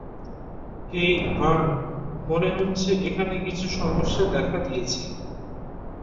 হেই, Vern, মনে হচ্ছে এখানে কিছু সমস্যা দেখা দিয়েছে।